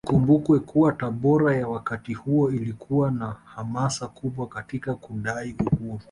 Ikumbukwe kuwa Tabora ya wakati huo ilikuwa na hamasa kubwa Katika kudai Uhuru